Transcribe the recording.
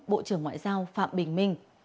bộ trưởng ngoại giao phạm bình minh